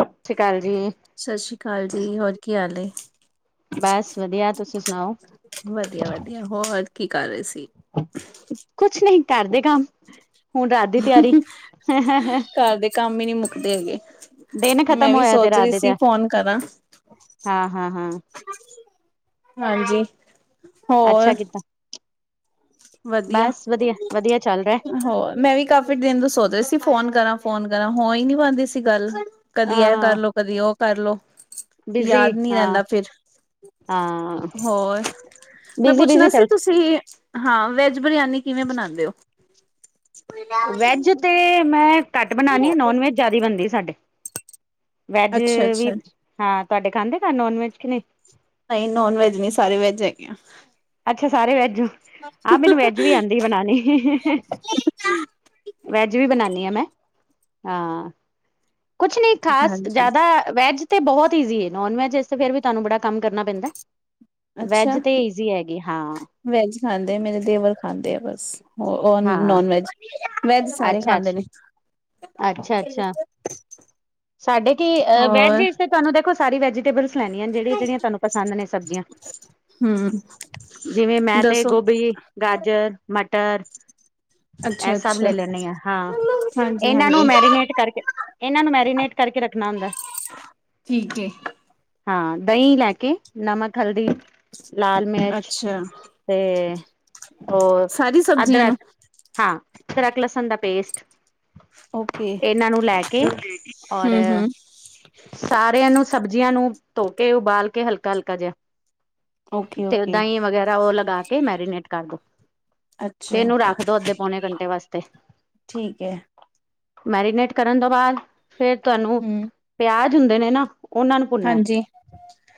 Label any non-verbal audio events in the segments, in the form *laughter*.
ਸਤਿ ਸ਼੍ਰੀ ਅਕਾਲ ਜੀ। ਸਤਿ ਸ਼੍ਰੀ ਅਕਾਲ ਜੀ ਹੋਰ ਕੀ ਹਾਲ। ਹੈ ਬਸ ਵਧੀਆ ਤੁਸੀਂ ਸੁਣਾਓ? ਵਧੀਆ-ਵਧੀਆ ਹੋਰ ਕੀ ਕਰ ਰਹੇ ਸੀ? ਕੁਛ ਨਹੀ ਕਰਦੇ ਕੰਮ ਹੁਣ ਰਾਤ ਦੀ ਤਿਆਰੀ ਹੈ। ਘਰ ਦੇ ਕੰਮ ਹੀ ਨਹੀਂ ਮੁੱਕਦੇ ਹੈਗੇ। ਦਿਨ ਮੈਂ ਖ਼ਤਮ ਵੀ ਹੋਇਆ ਤੇ ਸੋਚ ਰਾਤ ਰਹੀ ਦੇ ਤੇ ਸੀ ਫੋਨ ਕਰਾਂ। ਹਾਂ ਹਾਂ ਹਾਂ ਹਾਂਜੀ। ਹੋਰ ਅੱਛਾ ਕੀਤਾ। ਵਧੀਆ, ਬਸ ਵਧੀਆ ਵਧੀਆ ਚੱਲ ਰਿਹਾ ਹੋਰ ਮੈਂ ਵੀ ਕੰ ਦਿਨ ਤੋਂ ਸੋਚਦੇ ਸੀ ਫੋਨ ਕਰਾਂ ਫੋਨ ਕਰਾਂ ਹੋ ਹੀ ਨੀ ਬਣਦੀ ਸੀ ਗੱਲ ਕਦੀ ਇਹ ਹਾਂ ਕਰਲੋ ਕਦੀ ਉਹ ਕਰਲੋ ਬਿਜ਼ੀ ਯਾਦ ਨੀ ਹਾਂ ਰਹਿੰਦਾ ਫਿਰ। ਹਾਂ ਹੋਰ, ਮੈਂ ਬਿਜ਼ੀ ਬਿਜ਼ੀ ਪੁੱਛਣਾ ਸੀ ਚੱਲ ਤੁਸੀਂ ਹਾਂ। ਵੈਜ ਬਰਿਆਨੀ ਕਿਵੇਂ ਬਣਾਉਂਦੇ ਹੋ? ਵੈਜ ਤੇ ਮੈਂ ਘੱਟ ਬਣਾਣੀ ਆ, ਨੋਨ ਵੈਜ ਜ਼ਿਆਦਾ ਬਣਦੀ ਸਾਡੇ। ਵੈਜ ਅੱਛਾ ਵੀ ਅੱਛਾ ਹਾਂ, ਤੁਹਾਡੇ ਖਾਂਦੇ ਘਰ ਨੋਨ ਵੈਜ ਕਿ ਨਹੀਂ? ਨਹੀਂ ਨੋਨ ਵੈਜ ਨੀ ਸਾਰੇ ਵੈੱਜ ਹੈਗੇ ਆ। ਅੱਛਾ ਸਾਰੇ ਵੈਜ ਆਹ ਮੈਨੂੰ ਵੈਜ ਵੀ ਆਉਂਦੀ। ਬਣਾਣੀ, ਵੈਜ ਵੀ ਬਣਾਨੀ ਆ ਮੈਂ ਹਾਂ। ਕੁਛ ਨੀ ਖਾਸ ਹਾਂਜੀ ਜ਼ਿਆਦਾ ਵੈਜ ਤੇ ਬਹੁਤ ਈਜ਼ੀ ਨੋਨ ਵੈਜ ਇਸ ਫੇਰ ਵੀ ਤੁਹਾਨੂੰ ਬੜਾ ਕੰਮ ਕਰਨਾ ਪੈਂਦਾ। ਵੈਜ ਤੇ ਈਜ਼ੀ ਹੈਗੀ ਹਾਂ। ਵੈੱਜ ਖਾਂਦੇ ਆ ਮੇਰੇ ਦੇਵਰ ਖਾਂਦੇ ਆ ਬਸ। ਹਾਂ ਨੋਨ ਵੈਜ, ਵੈਜ ਸਾਰੇ ਅੱਛਾ ਖਾਂਦੇ ਅੱਛਾ ਨੇ। ਅੱਛਾ ਅੱਛਾ ਸਾਡੇ ਕੀ ਅ ਵੈਜ ਹੋਰ ਇਸ ਤੇ ਤੁਹਾਨੂੰ ਦੇਖੋ ਸਾਰੀ ਵੈਜ। ਟੇਬਲਸ ਲੈਣੀਆਂ ਨੇ ਜਿਹੜੀਆਂ- ਜਿਹੜੀਆਂ ਤੁਹਾਨੂੰ ਪਸੰਦ ਨੇ ਸਬਜ਼ੀਆਂ। ਹਮ ਜਿਵੇਂ ਮੈਂ ਤੇ ਦੱਸੋ ਗੋਭੀ, ਗਾਜਰ, ਮਟਰ ਐ ਅੱਛਾ ਸਭ ਅੱਛਾ ਲੈ ਲੈਣੀ ਆ ਹਾਂ। ਹਾਂਜੀ ਇਹਨਾਂ ਨੂੰ ਹਾਂਜੀ ਮੈਰੀਨੇਟ ਕਰਕੇ ਇਹਨਾਂ ਨੂੰ ਮੈਰੀਨੇਟ ਕਰਕੇ ਰੱਖਣਾ ਹੁੰਦਾ। ਠੀਕ ਹੈਏ। ਹਾਂ, ਦਹੀਂ ਲੈ ਕੇ ਨਮਕ, ਹਲਦੀ, ਲਾਲ ਮਿਰਚ। ਅੱਛਾ ਤੇ ਹੋਰ ਸਾਰੀ ਸਬਜ਼ੀਆਂ ਅਦਰਕ ਨੂੰ ਹਾਂ, ਅਦਰਕ, ਲਸਣ ਦਾ ਪੇਸਟ। ਓਕੇ ਇਹਨਾਂ ਨੂੰ ਲੈ ਕੇ ਔਰ ਹਮ ਹਮ ਸਾਰਿਆਂ ਨੂੰ ਸਬਜ਼ੀਆਂ ਨੂੰ ਧੋ ਕੇ ਉਬਾਲ ਕੇ ਹਲਕਾ ਹਲਕਾ ਜਿਹਾ। ਓਕੇ ਤੇ ਓਕੇ ਦਹੀਂ ਵਗੈਰਾ ਉਹ ਲਗਾ ਕੇ ਮੈਰੀਨੇਟ ਕਰ ਦੋ। ਅੱਛਾ ਤੇ ਇਹਨੂੰ ਰੱਖ ਦੋ ਅੱਧੇ ਪੌਣੇ ਘੰਟੇ ਵਾਸਤੇ। ਠੀਕ ਹੈ। ਮੈਰੀਨੇਟ ਕਰਨ ਤੋਂ ਬਾਅਦ ਫੇਰ ਤੁਹਾਨੂੰ ਹਮ ਪਿਆਜ ਹੁੰਦੇ ਨੇ ਨਾ ਉਹਨਾਂ ਨੂੰ ਭੁੰਨਨਾ ਹਾਂਜੀ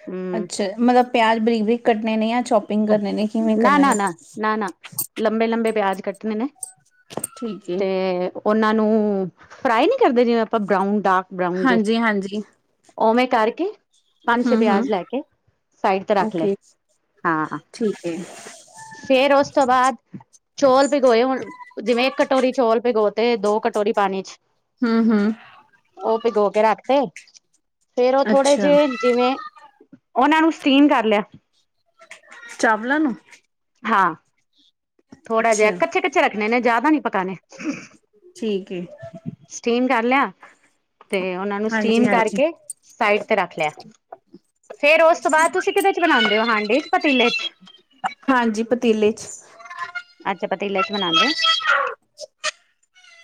ਹੂੰ ਅੱਛਾ ਮਤਲਬ ਪਿਆਜ਼ ਬਰੀਕ ਬਰੀਕ ਕੱਟਣੇ ਨੇ ਜਾਂ ਚੌਪ ਪਿੱਕ ਕਰਨੇ ਨੇ, ਕਿਵੇਂ ਨਾ ਕਰਨੇ ਨਾ ਨੇ? ਨਾ ਨਾ ਲੰਬੇ ਲੰਬੇ ਪਿਆਜ ਕੱਟਣੇ ਨੇ ਠੀਕ ਏ ਤੇ ਉਹਨਾਂ ਨੂੰ ਫਰਾਈ ਨਹੀਂ ਕਰਦੇ ਜਿਵੇਂ ਆਪਾਂ ਬਰਾਊਨ ਡਾਰਕ ਬਰਾਊਨ ਜੇ। ਹਾਂਜੀ ਹਾਂਜੀ ਉਵੇਂ ਕਰਕੇ ਪੰਜ ਛੇ ਹਮ ਹਮ ਪਿਆਜ ਲੈ ਕੇ ਸਾਈਡ ਤੇ ਰੱਖ ਲੈ। ਓਕੇ ਠੀਕ ਏ। ਫੇਰ ਉਸ ਤੋਂ ਬਾਅਦ ਚੌਲ ਭਿਗੋਏ ਹੋਣ, ਜਿਵੇਂ ਇੱਕ ਕਟੋਰੀ ਚੌਲ ਭਿਗੋ ਤੇ ਦੋ ਕਟੋਰੀ ਪਾਣੀ ਚ। ਹੂ, ਹੂ। ਉਹ ਭਿਗੋ ਕੇ ਰੱਖਦੇ ਫੇਰ ਉਹ ਥੋੜੇ ਅੱਛਾ ਜਿਹੇ ਜਿਵੇਂ ਉਹਨਾਂ ਨੂੰ ਸਟੀਮ ਕਰ ਲਿਆ। ਚਾਵਲਾਂ ਨੂੰ। ਹਾਂ। ਥੋੜ੍ਹਾ ਜਿਹਾ ਅੱਛਾ ਕੱਚੇ ਕੱਚੇ ਰੱਖਣੇ ਨੇ ਜ਼ਿਆਦਾ ਨੀ ਪਕਾਣੇ। ਠੀਕ ਏ ਸਟੀਮ ਕਰ ਲਿਆ। ਤੇ ਉਹਨਾਂ ਨੂੰ ਸਟੀਮ ਹਾਂਜੀ-ਹਾਂਜੀ ਕਰਕੇ ਸਾਈਡ ਤੇ ਰੱਖ ਲਿਆ। ਫੇਰ ਉਸ ਤੋਂ ਬਾਅਦ ਤੁਸੀਂ ਕਿਦੇ ਚ ਬਣਾਉਂਦੇ ਹੋ ਹਾਂਡੀ ਚ ਪਤੀਲੇ ਚ। ਹਾਂਜੀ ਪਤੀਲੇ ਚ ਅੱਛਾ ਪਤੀਲੇ ਚ ਬਣਾਂਦੇ ਓ।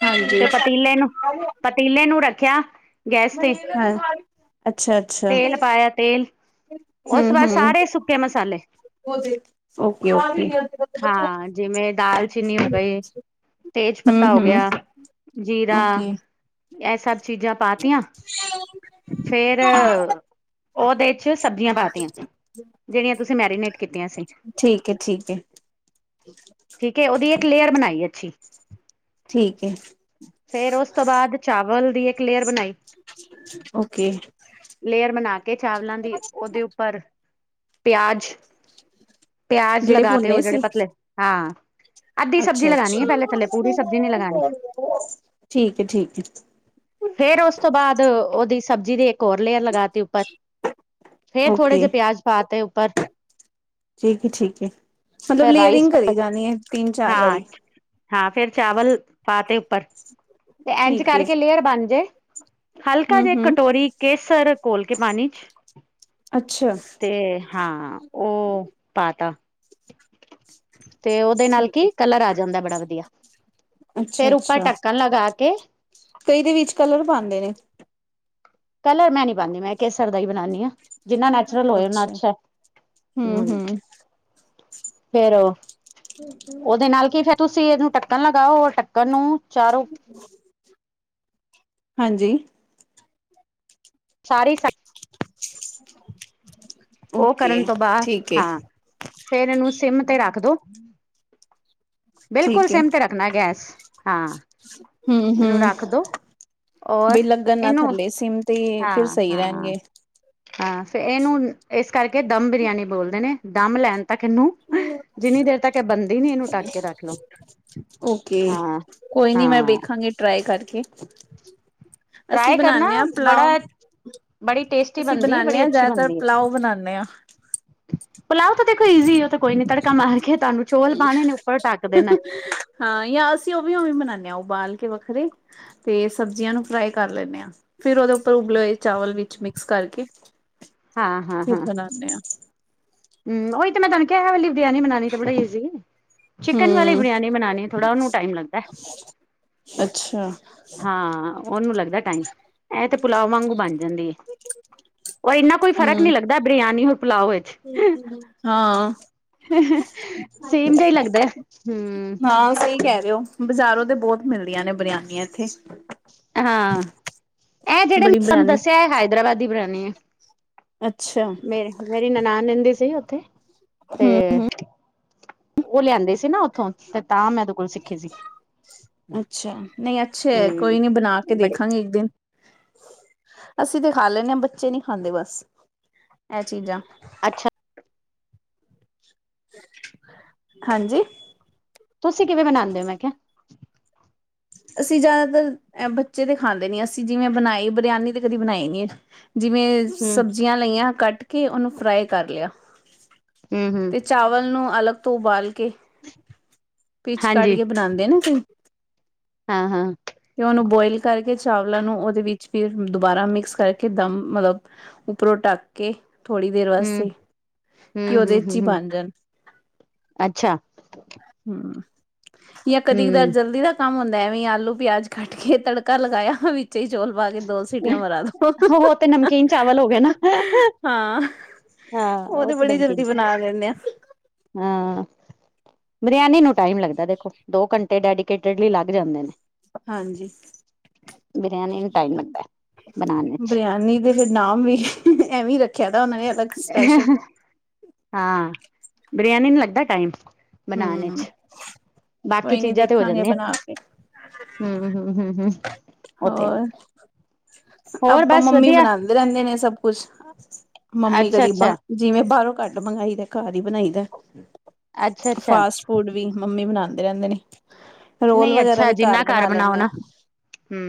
ਹਾਂਜੀ ਤੇ ਹਾਂ ਪਤੀਲੇ ਨੂੰ, ਪਤੀਲੇ ਨੂੰ ਰੱਖਿਆ। ਗੈਸ ਤੇ ਹਾਂ ਤੇਲ ਪਾਇਆ ਤੇਲ, ਉਸ ਬਾਅਦ ਹੂੰ-ਹੂੰ ਸਾਰੇ ਸੁੱਕੇ ਮਸਾਲੇ। ਓਕੇ-ਓਕੇ ਹਾਂ ਜਿਵੇਂ ਦਾਲਚੀਨੀ ਹੋ ਗਈ ਤੇਜ ਪੱਤਾ ਹੋ ਹੂੰ-ਹੂੰ ਗਿਆ ਜੀਰਾ ਓਕੇ ਇਹ ਸਭ ਚੀਜ਼ਾਂ ਪਾ ਤੀਆਂ ਫੇਰ, ਉਹਦੇ ਚ ਸਬਜ਼ੀਆਂ ਪਾਤੀਆਂ। ਜਿਹੜੀਆਂ ਤੁਸੀਂ ਮੈਰੀਨੇਟ ਕੀਤੀਆਂ ਸੀ। ਠੀਕ ਏ ਠੀਕ ਏ। ਠੀਕ ਹੈ ਉਹਦੀ ਇੱਕ ਲੇਅਰ ਬਣਾਈ ਅੱਛੀ। ਠੀਕ ਏ। ਫੇਰ ਉਸ ਤੋਂ ਬਾਅਦ ਚਾਵਲ ਦੀ ਇੱਕ ਲੇਅਰ ਬਣਾਈ। ਓਕੇ ਲੇਅਰ ਬਣਾ ਕੇ ਚਾਵਲਾਂ ਦੀ ਉਹਦੇ ਉਪ ਪਰ ਪਿਆਜ ਪਿਆਜ ਜਿਹੜੇ ਲਗਾ ਤੇ ਭੁੰਨੇ ਉਹ ਜਿਹੜੇ ਪਤਲੇ ਹਾਂ ਅੱਧੀ ਸਬਜ਼ੀ ਅੱਛਾ ਲਗਾਣੀ ਅੱਛਾ, ਹੈ ਪਹਿਲੇ ਥੱਲੇ ਪੂਰੀ ਸਬਜ਼ੀ ਨੀ ਲਗਾਣੀ ਠੀਕ ਏ ਠੀਕ ਏ। ਫੇਰ ਉਸ ਤੋਂ ਬਾਅਦ ਉਹਦੀ ਸਬਜ਼ੀ ਦੇ ਕੋਰ ਲੇ ਅਰ ਲਗਾਤੀ ਉੱਪਰ ਫੇਰ ਥੋੜੇ ਓਕੇ ਜਿਹੇ ਪਿਆਜ ਪਾਤੇ ਉੱਪਰ। ਠੀਕ ਏ ਠੀਕ ਏ, ਮਤਲਬ ਫੇਰ ਰਾਈਸ ਲੇਅਰਿੰਗ ਕਰੀ ਜਾਣੀ ਏ ਤਿੰਨ ਚਾਰ ਹਾਂ ਵਾਰੀ। ਹਾਂ ਫੇਰ ਚਾਵਲ ਪਾ ਤੇ ਉੱਪਰ ਤੇ ਇੰਜ ਠੀਕ ਏ ਕਰਕੇ ਲੇਅਰ ਬਣ ਜੇ। ਹਲਕਾ ਹੂੰ ਜਿ ਹੂੰ ਕਟੋਰੀ ਕੇਸਰ ਘੋਲ ਕੇ ਪਾਣੀ ਚ ਅੱਛਾ ਤੇ ਹਾਂ ਉਹ ਪਾ ਤ ਤੇ ਉਹਦੇ ਨਾਲ ਠੀਕ ਏ ਕੀ ਕਲਰ ਆ ਜਾਂਦਾ ਬੜਾ ਵਧੀਆ ਅੱਛਾ ਫੇਰ ਆਪਾਂ ਅੱਛਾ ਢੱਕਣ ਲਗਾ ਕੇ ਕਈ ਦੇ ਵਿੱਚ ਕਲਰ ਪਾਂਦੇ ਨੇ। ਕਲਰ ਮੈਂ ਨਹੀਂ ਪਾਂਦੀ, ਮੈਂ ਕੇਸਰ ਦਾ ਹੀ ਬਣਾਂਦੀ ਆ। ਜਿੰਨਾ ਨੈਚੁਰਲ ਹੋਏ ਓਨਾ ਅੱਛਾ ਹੂੰ ਐ। ਹੂੰ ਫੇਰ, ਉਹਦੇ ਨਾਲ ਕੀ ਫੇ ਤੁਸੀਂ ਇਹਨੂੰ ਢੱਕਣ ਲਗਾਓ ਔਰ ਢੱਕਣ ਨੂੰ ਚਾਰ ਹਾਂਜੀ। ਸਾਰੀ *unintelligible* ਉਹ ਕਰਨ ਤੋਂ ਬਾਅਦ, ਠੀਕ ਏ ਹਾਂ। ਫੇਰ ਇਹਨੂੰ ਸਿਮ ਤੇ ਰੱਖ ਦੋ, ਬਿਲਕੁਲ ਠੀਕ ਏ ਸਿਮ ਤੇ ਰੱਖਣਾ ਗੈਸ। ਹਾਂ, ਹੂੰ ਇਹਨੂੰ ਹੂੰ ਰੱਖ ਦੋ, ਔਰ ਬਈ ਲੱਗਣ ਨਾ ਇਹਨੂੰ ਥੱਲੇ ਸਿਮ ਤੇ ਫਿਰ ਹਾਂ- ਸਹੀ ਹਾਂ। ਰਹਿਣਗੇ ਹਾਂ ਫ ਇਹਨੂੰ ਇਸ ਕਰਕੇ ਦਮ ਬਿਰਿਆਨੀ ਬੋਲਦੇ ਨੇ, ਦਮ ਲੈਣ ਤੱਕ ਇਹਨੂੰ ਜਿੰਨੀ ਦੇਰ ਤੱਕ ਇਹ ਬਣਦੀ ਨੀ, ਇਹਨੂੰ ਢੱਕ ਕੇ ਰੱਖ ਲੋ। ਓਕੇ, ਹਾਂ ਕੋਈ ਨੀ ਮੈਂ ਹਾਂ ਵੇਖਾਂਗੀ ਟਰਾਈ ਕਰਕੇ। ਅਸੀਂ ਟਰਾਈ ਕਰਨਾ ਬਣਾਦੇ ਹਾਂ ਪਲਾਓ। ਬੜਾ ਬੜੀ ਟੇਸਟੀ ਅਸੀਂ ਬਣਦੀ ਹੈ ਬਣਾਦੇ ਬੜੀ ਹਾਂ ਅੱਛੀ ਜ਼ਿਆਦਾਤਰ ਬਣਦੀ ਹੈ ਪੁਲਾਓ ਬਣਾਉਦੇ ਹਾਂ। ਪੁਲਾਓ ਤਾਂ ਦੇਖੋ ਈਜ਼ੀ ਆ, ਉਹ ਤਾਂ ਕੋਈ ਨੀ ਤੜਕਾ ਮਾਰ ਕੇ ਤੁਹਾਨੂੰ ਚੋਲ ਪਾਣੇ ਨੇ, ਉੱਪਰ ਟਢੱਕ ਦੇ ਨੇ। ਹਾਂ ਯ ਅਸੀਂ ਉਹ ਵੀ ਉਵੇਂ ਬਨਾਉਦੇ ਹਾਂ ਉਬਾਲ ਕੇ ਵੱਖਰੇ, ਤੇ ਸਬਜ਼ੀਆਂ ਨੂੰ ਫਰਾਈ ਕਰ ਲੈਂਦੇ ਹਾਂ। ਫੇਰ ਉਹਦੇ ਉੱਪਰ ਉਬਲੇ ਹੋਏ ਚਾਵਲ ਵਿੱਚ ਮਿਕਸ ਕਰਕੇ, ਹਾਂ ਫੇਰ ਬਣਾਣੇ ਆ। ਹੂ, ਉਹੀ ਤਾਂ ਮੈਂ ਤੁਹਾਨੂੰ ਕਿਹਾ ਐ ਵਾਲੀ ਬਰਿਆਨੀ ਬਣਾਉਣੀ ਤਾ ਬੜੀ ਈਜ਼ੀ ਏ। ਚਿਕਨ ਵਾਲੀ ਹੂੰ ਬਰਿਆਨੀ ਬਣਾਣੀ ਥੋੜਾ, ਉਹਨੂੰ ਟਾਈਮ ਲੱਗਦਾ। ਅੱਛਾ। ਹਾਂ ਉਹਨੂੰ ਲੱਗਦਾ ਟਾਈਮ, ਇਹ ਤੇ ਪੁਲਾਵ ਵਾਂਗੂ ਬਣ ਜਾਂਦੇ ਹੈ। ਔਰ ਇੰਨਾ ਕੋਈ ਫਰਕ ਨੀ ਹੂੰ ਲੱਗਦਾ, ਬਿਰਿਆਨੀ ਹੋਰ ਪੁਲਾਓ ਵਿੱਚ। ਹਾਂ। ਸੇਮ ਜਿਹਾ ਹੀ, ਲੱਗਦਾ ਆ ਹੂੰ। ਹਾਂ, ਸਹੀ ਕਹਿ ਰਹੇ ਹੋ। ਬਾਜ਼ਾਰੋਂ ਤੇ ਬਹੁਤ ਮਿਲਦੀਆਂ ਨੇ, ਬਰਿਆਨੀਆਂ ਇੱਥੇ। ਹਾਂ, ਇਹ ਜਿਹੜੇ ਮ ਬੜੀ ਤੁਹਾਨੂੰ ਬਰਿਆਨੀ ਦੱਸਿਆ, ਹੈਦਰਾਬਾਦ ਦੀ ਬਿਰਯਾਨੀ ਹੈ। ਅੱਛਾ। ਮੇਰੇ ਮੇਰੀ ਨਨਾਨ ਰਹਿੰਦੀ ਸੀ ਉੱਥੇ। ਤੇ ਹੂੰ ਉਹ ਲਿਆਂਦੇ ਸੀ ਨਾ ਉੱਥੋਂ ਤੇ, ਤਾਂ ਮੈਂ ਕੋਲ ਸਿੱਖੀ ਸੀ ਅੱਛਾ। ਨਹੀਂ ਅੱਛਾ, ਹਮ ਕੋਈ ਨੀ ਬਣਾ ਕੇ ਬੜੇ ਦੇਖਾਂਗੇ ਇੱਕ ਦਿਨ। ਅਸੀਂ ਤੇ ਖਾ ਲੈਂਦੇ ਹਾਂ, ਬੱਚੇ ਨਹੀਂ ਖਾਂਦੇ ਬਸ ਇਹ ਚੀਜ਼ਾਂ। ਅੱਛਾ। ਹਾਂਜੀ? ਤੁਸੀਂ ਕਿਵੇਂ ਮਨਾਉਂਦੇ ਹੋ? ਮੈਂ ਕਿਹਾ। ਅਸੀਂ ਜ਼ਿਆਦਾਤਰ ਬੱਚੇ ਤੇ ਖਾਂਦੇ ਨੀ, ਅਸੀਂ ਜਿਵੇਂ ਬਣਾਈ ਬਰਿਆਨੀ ਤੇ ਕਦੀ ਬਣਾਈ ਨੀ। ਜਿਵੇਂ ਹਮ ਸਬਜ਼ੀਆਂ ਲਈਆਂ ਕੱਟ ਕੇ, ਉਹਨੂੰ ਫਰਾਈ ਕਰ ਲਿਆ। ਹੂੰ- ਹੂੰ। ਤੇ ਚਾਵਲ ਨੂੰ ਅਲੱਗ ਤੋਂ ਉਬਾਲ ਕੇ, ਪਿਚ ਕੱਢ ਹਾਂਜੀ ਕੇ ਬਣਾਉਂਦੇ ਨਾ। ਹਾਂ- ਹਾਂ। ਤੇ ਉਹਨੂੰ ਬੋਇਲ ਕਰਕੇ ਚਾਵਲਾਂ ਨੂੰ, ਉਹਦੇ ਵਿੱਚ ਫੇਰ ਦੁਬਾਰਾ ਮਿਕਸ ਕਰਕੇ ਦਮ ਮਤਲੱਬ, ਉੱਪਰੋ ਢੱਕ ਕੇ ਥੋੜੀ ਦੇਰ ਹਮ ਹਮ ਵਾਸਤੇ ਕਿ, ਹਮ ਉਹਦੇ ਚ ਹੀ ਹਮ ਹਮ ਬਣ ਜਾਣ। ਅੱਛਾ। ਹੂੰ, ਜਾਂ ਕਦੀ ਕਦਾਰ ਹਮ ਜ਼ਲਦੀ ਰੱਖ ਕੰਮ ਹੁੰਦਾ ਹੈ ਐਵੀ ਆਲੂ, ਪਿਆਜ ਕੱਟ ਕੇ ਤੜਕਾ ਲਗਾਇਆ ਵੀ ਉੱਚੇ ਹੀ ਚੌਲ ਪਾ ਕੇ ਦੋ ਸੀਟੀਆਂ ਮਰਾ ਦੋ। ਚ ਹੋ ਗ ਨਾ, ਹਾਂ ਹਾਂ ਉਹ ਤੇ ਬੜੀ ਨਮਕੀਨ। ਜਲਦੀ ਬਣਾ ਲੈਂਦੇ ਆ ਹਾਂ। ਬਰਿਆਨੀ ਨੂੰ ਟਾਈਮ ਲੱਗਦਾ ਦੇਖੋ, ਦੋ ਘੰਟੇ ਡੈਡੀਕੇਟਡਲੀ ਲੱਗ ਜਾਂਦੇ ਨੇ। ਹਾਂਜੀ, ਬਰਿਆਨੀ ਨੂੰ ਟਾਈਮ ਲੱਗਦਾ। ਬਣਾਉਣ ਵਿੱਚ ਬਰਿਆਨੀ ਦੇ ਫਿਰ ਨਾਮ ਵੀ ਐਵੀਂ ਰੱਖਿਆ, ਤਾ ਉਹਨਾਂ ਨੇ ਅਲੱਗ। ਸਪੈਸ਼ਲ ਹਾਂ, ਬਰਿਆਨੀ ਨੂੰ ਲੱਗਦਾ ਟਾਈਮ। ਬਣਾਣ ਹਮ ਵਿੱਚ, ਬਾਕੀ ਕੋਈ ਨੀ ਚੀਜ਼ਾਂ ਤੇ ਹੋ ਦੇਖਾਂਗੇ ਜਾਂਦੀਆਂ। ਬਣਾ ਕੇ ਹੂੰ-ਹੂੰ-ਹੂੰ-ਹੂੰ ਹੋਰ, ਹੋਰ ਪਾਪਾ ਬਸ ਮੰਮੀ ਵਧੀਆ ਬਣਾਦੇ ਰਹਿੰਦੇ ਨੇ ਸਭ ਕੁਛ, ਮੰਮੀ ਅੱਛਾ ਕਦੀ ਬਾ ਅੱਛਾ ਜਿਵੇਂ ਬਾਹਰੋਂ ਘੱਟ ਮੰਗਾਈ ਦਾ, ਘਰ ਹੀ ਬਣਾਈ ਦਾ, ਅੱਛਾ ਅੱਛਾ ਫਾਸਟ ਫੂਡ ਵੀ ਮੰਮੀ ਬਣਾਂਦੇ ਰਹਿੰਦੇ ਨੇ, ਰੋਲ ਵਗੈਰਾ ਵੀ ਘਰ ਬਣਾ ਲੈਂਨੇ ਆ। ਹੂੰ।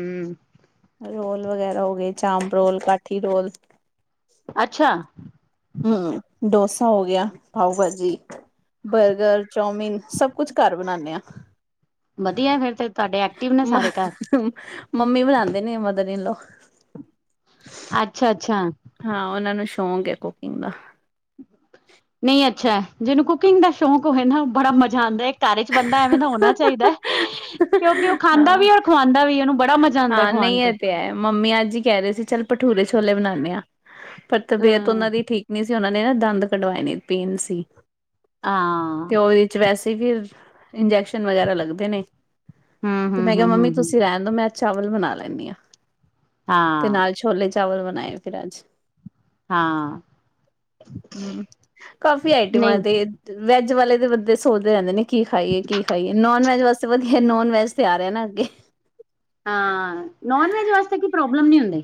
ਰੋਲ ਵਗੈਰਾ ਹੋ ਗਏ, ਚਾਂਪ ਰੋਲ, ਕਾਠੀ ਰੋਲ ਅੱਛਾ। ਹੂੰ, ਡੋਸਾ ਹੋ ਗਿਆ, ਪਾਓ ਭਾਜੀ। ਬਰਗਰ, ਚੌਮਿਨ ਸਭ ਕੁਛ ਘਰ ਬਣਾਣੇ ਆਂ। ਵਧੀਆ ਏ ਫਿਰ, ਤੇ ਤੁਹਾਡੇ ਐਕਟਿਵ ਨੇ ਮ ਸਾਰੇ ਘਰ। ਮੰਮੀ ਬਣਾਂਦੇ ਨੇ, ਮਦਰ ਇਨ ਲੋਅ। ਅੱਛਾ-ਅੱਛਾ। ਹਾਂ, ਉਹਨਾਂ ਨੂੰ ਸ਼ੌਕ ਐ ਕੁਕਿੰਗ ਦਾ। ਨਈ ਅੱਛਾ ਐ, ਜਿਹਨੂੰ ਕੁਕਿੰਗ ਦਾ ਸ਼ੌਕ ਹੋਵੇ ਨਾ ਬੜਾ ਮਜ਼ਾ ਆਂਦਾ, ਘਰ ਵਿੱਚ ਬੰਦਾ ਐਵੇਂ ਦਾ ਹੋਣਾ ਚਾਹੀਦਾ। ਕਿਉਂਕਿ ਉਹ ਖਾਂਦਾ ਹਾਂ-ਹਾਂ, ਵੀ ਔਰ ਖਵਾਉਂਦਾ ਵੀ ਉਹਨੂੰ ਬੜਾ ਮਜ਼ਾ ਆਉਂਦਾ ਨਈ ਖਵਾਉਣ ਇਹ ਤੇ ਹੈ, ਮੰਮੀ ਅੱਜ ਕਹਿ ਰਹੇ ਸੀ ਚੱਲ ਭਠੂਰੇ ਛੋਲੇ ਬਣਾਣੇ ਆਂ, ਪਰ ਅ ਤਬੀਅਤ ਉਹਨਾਂ ਦੀ ਠੀਕ ਨੀ ਸੀ ਉਹਨਾਂ ਨੇ ਨਾ ਦੰਦ ਕਢਵਾਏ ਨੇ ਪੀਣ ਸੀ, ਤੇ ਹਾਂ ਉਹਦੇ ਚ ਵੈਸੇ ਫਿਰ ਇੰਜੈਕਸ਼ਨ ਵਗੈਰਾ ਲੱਗਦੇ ਨੇ। ਹਮ ਤੇ ਹਮ ਮੈਂ ਕਿਹਾ ਹਮ ਮੰਮੀ ਹਮ ਹਮ ਤੁਸੀਂ ਰਹਿਣ ਦੋ, ਮੈਂ ਚਾਵਲ ਬਣਾ ਲੈਂਨੀ ਆਂ, ਤੇ ਹਾਂ ਨਾਲ ਛੋਲੇ ਚਾਵਲ ਬਣਾਏ ਫਿਰ ਅੱਜ। ਹਾਂ ਹੂੰ, ਕਾਫੀ ਨਹੀਂ ਆਈਟਮਾਂ ਤੇ ਵੈਜ ਵਾਲੇ ਦੇ ਬੰਦੇ ਸੋਚਦੇ ਰਹਿੰਦੇ ਨੇ ਕੀ ਖਾਈਏ-ਕੀ ਖਾਈਏ, ਨੋਨ ਵੈਜ ਵਾਸਤੇ ਵਧੀਆ, ਨੋਨ ਵੈਜ ਤਿਆਰ ਐ ਨਾ ਅੱਗੇ। ਹਾਂ, ਨੋਨ ਵੈਜ ਵਾਸਤੇ ਕੋਈ ਪ੍ਰੋਬਲਮ ਨੀ ਹੁੰਦੀ।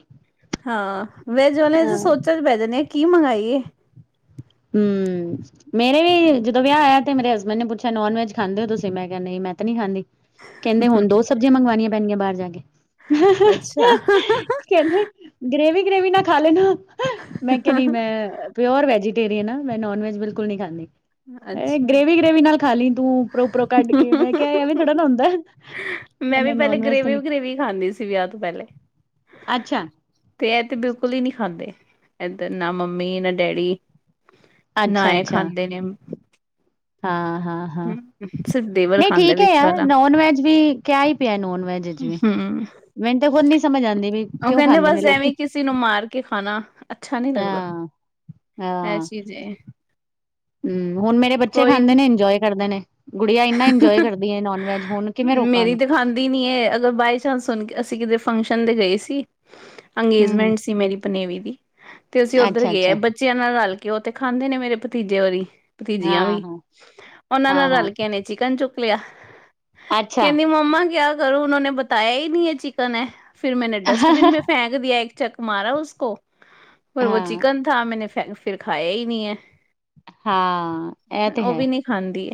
ਹਾਂ ਵੈਜ ਵਾਲਿਆਂ ਤੇ ਹਮ ਸੋਚਾਂ ਚ ਪੈ ਜਾਂਦੇ ਆ, ਕੀ ਮੰਗਾਈਏ? ਹੂੰ। ਮੇਰੇ ਵੀ ਜਦੋ ਵਿਆਹ ਹੋਇਆ ਤੇ ਮੇਰੇ ਹਸਬੈਂਡ ਨੇ ਪੁੱਛਿਆ ਨੋਨ ਵੈਜ ਖਾਂਦੇ ਹੋ ਤੁਸੀ, ਮੈਂ ਕਿਹਾ ਨਹੀਂ ਮੈਂ ਤੇ ਨੀ ਖਾਂਦੀ। ਕਹਿੰਦੇ ਹੁਣ ਦੋ ਸਬਜ਼ੀਆਂ ਮੰਗਵਾਣੀਆਂ ਪੈਣਗੀਆਂ ਬਾਹਰ ਜਾ ਕੇ। ਅੱਛਾ ਕਹਿੰਦੇ ਗ੍ਰੇਵੀ-ਗ੍ਰੇਵੀ ਨਾ ਖਾ ਲੈਨੇ ਓ, ਮੈਂ ਕਿਹਾ ਨਈ ਮੈਂ ਪਿਓਰ ਵੈਜੀ ਟੇਰੀਅਨ ਆਂ, ਮੈਂ ਨੋਨ ਵੈਜ ਬਿਲਕੁਲ ਨੀ ਖਾਂਦੀ, ਅੱਛਾ ਗ੍ਰੇਵੀ-ਗ੍ਰੇਵੀ ਨਾਲ ਖਾਲੀ ਤੂੰ ਉੱਪਰੋਂ-ਉੱਪਰੋਂ ਕੱਢ ਕੇ, ਮੈਂ ਕਿਹਾ ਐਵੇ ਥੋੜ੍ਹਾ ਨਾ ਹੁੰਦਾ। ਮੈਂ ਵੀ ਪਹਿਲੇ ਨੋਨ ਵੈਜ ਤਾਂ ਗ੍ਰੇਵੀ ਨੀ ਗਰੇ ਗਰੇਵੀ ਖਾਂਦੀ ਸੀ ਵਿਆਹ ਤੋਂ। ਪਹਿਲੇ ਅੱਛਾ। ਤੇ ਇਹ ਤੇ ਬਿਲਕੁਲ ਈ ਨੀ ਖਾਂਦੇ, ਇਧਰ ਨਾ ਮੰਮੀ ਨਾ ਡੈਡੀ। ਨਾ ਇਹ ਅੱਛਾ-ਅੱਛਾ, ਖਾਂਦੇ ਨੇ ਹਾਂ-ਹਾਂ। ਹਾਂ ਸਿਰਫ ਦੇਵਰ ਨਹੀਂ ਖਾਂਦਾ ਠੀਕ ਐ ਵਿੱਚ ਯਾਰ, ਵਾਲਾ ਨੋਨ ਵੈਜ ਵੀ ਕਿਆ ਹੀ ਪਿਆ ਨੋਨ ਵੈਜ ਵਿਚ ਵੀ। ਹਮ ਮੈਨੂੰ ਤੇ ਕੁਝ ਨੀ ਸਮਝ ਆਂਦੀ ਪਈ, ਵੀ ਕਿਉਂ ਖਾਂਦੇ ਨੇ ਲੋਕੀ। ਕਿਸੀ ਨੂੰ ਮਾਰ ਕੇ ਖਾਣਾ ਅੱਛਾ ਨਹੀਂ ਲੱਗਦਾ ਇਹ ਹਾਂ-ਹਾਂ, ਚੀਜ਼ ਏ ਹੂੰ ਹੁਣ ਮੇਰੇ ਬੱਚੇ ਕੋਈ ਖਾਂਦੇ ਨੇ ਇੰਜੋਏ ਕਰਦੇ ਨੇ, ਗੁੜੀਆਂ ਇੰਨਾ ਇੰਜੋਏ ਕਰਦੀ ਐ ਨੋਨ ਵੈਜ, ਹੁਣ ਕਿਵੇਂ ਰੋਕਾਂ ਉਹਨੂੰ। ਸੁੱਤੀ ਨੀ ਇਹ, ਅਗਰ ਬਾਈ ਚਾਂਸ ਹੁਣ ਅਸੀਂ ਕਿਤੇ ਫੰਕਸ਼ਨ ਦੇ ਗਏ ਸੀ। ਹੂੰ ਅੰਗੇਜਮੈਂਟ ਸੀ ਮੇਰੀ ਪਨੇਵੀ ਦੀ। ਤੇ ਅਸੀਂ ਉੱਧਰ ਅੱਛਾ ਅੱਛਾ। ਗਏ ਬੱਚਿਆਂ ਨਾਲ ਰਲ ਕੇ ਉਹ ਤੇ ਖਾਂਦੇ ਨੇ ਮੇਰੇ ਭਤੀਜੇ ਹੋਰੀ। ਭਤੀਜੀਆਂ ਹਾਂ ਵੀ, ਹਾਂ ਉਹਨਾਂ ਹਾਂ ਨਾਲ ਰਲ ਹਾਂ ਕੇ ਚਿਕਨ ਚੁੱਕ ਲਿਆ ਅੱਛਾ ਕਹਿੰਦੀ ਮੰਮਾ ਕਿਹਾ। ਕਰੋ ਉਹ ਨੇ ਬਤਾਆ ਹੀ ਨਹੀਂ ਹੈ ਚਿਕਨ ਹੈ, ਫਿਰ ਮੈਂਨੇ ਡਸਟਬਿਨ ਮੈਂ ਫੇਕ ਇੱਕ ਚੱਕ ਮਾਰਾ, ਉਸ ਕੋ ਪਰ ਉਹ ਹਾਂ। ਚਿਕਨ ਥ ਮੈਂ ਫਿਰ ਖਾਇਆ ਹੀ ਨਹੀਂ ਹੈ। ਹਾਂ ਇਹ ਤੇ ਹੈ। ਖਾਂਦੀ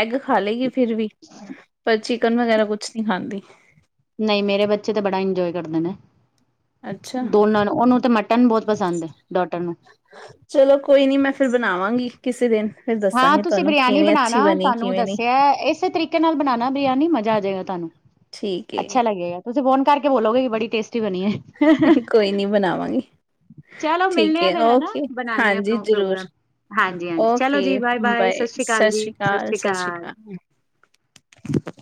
ਐਗ ਖਾ ਲਏਗੀ ਫਿਰ ਵੀ ਪਰ ਚਿਕਨ ਵਗੈਰਾ ਕੁਛ ਨਹੀਂ ਖਾਂਦੀ। ਨਹੀਂ ਮੇਰੇ ਬੱਚੇ ਤਾਂ ਬੜਾ ਇੰਜੋਏ ਕਰਦੇ ਨੇ, ਦੋਨਾਂ ਨੂੰ ਉਹਨੂੰ ਤੇ ਮ ਮਟਨ ਬਹੁਤ ਪਸੰਦ ਹੈ ਡਾਟਰ ਨੂੰ। ਚਲੋ, ਕੋਈ ਨੀ ਮੈਂ ਫਿਰ ਬਣਾਵਾਂਗੀ ਕਿਸੇ ਦਿਨ ਫਿਰ ਹਾਂ, ਦੱਸਾਂਗੀ ਤੁਸੀਂ ਤੁਹਾਨੂੰ ਬਰਿਆਨੀ ਕਿਵੇਂ ਅੱਛੀ ਬਣਾਉਣਾ ਬਣੀ ਤੁਹਾਨੂੰ ਕਿਵੇਂ ਨਹੀਂ ਦੱਸਿਆ ਇਸ ਤਰੀਕੇ ਨਾਲ ਬਣਾਣਾ ਬਿਰਆਨੀ ਮਜ਼ਾ ਆ ਜਾਏਗਾ ਤੁਹਾਨੂੰ ਠੀਕ ਏ ਅੱਛਾ ਲੱਗੇਗਾ ਤੁਸੀਂ ਫੋਨ ਕਰਕੇ ਬੋਲੋਗੇ ਕਿ ਬੜੀ ਟੇਸਟੀ *unintelligible* ਕੋਈ ਨੀ ਬਣਾਵਾਂਗੀ ਚਲੋ ਮਿਲਣੇ ਠੀਕ ਹਾਂ ਹੈ ਫੇਰ ਹਨਾ ਓਕੇ ਬਣਾਣੇ ਹਾਂ ਹਾਂਜੀ ਜ਼ਰੂਰ ਪ੍ਰੋਗਰਾਮ ਹਾਂਜੀ-ਹਾਂਜੀ ਚ, ਚਲੋ ਜੀ ਬਾਏ-ਬਾਏ ਸਤਿ ਸ਼੍ਰੀ ਅਕਾਲ ਜੀ, ਸਤਿ ਸ਼੍ਰੀ ਅਕਾਲ। *inaudible*